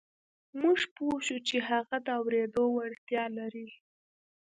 موږ پوه شوو چې هغه د اورېدو وړتيا لري.